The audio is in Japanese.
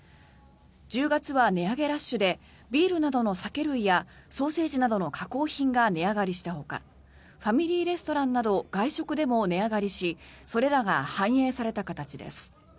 １０月は値上げラッシュでビールなどの酒類やソーセージなどの加工品が値上がりしたほかファミリーレストランなど外食でも値上がりしそれらが反映された形です。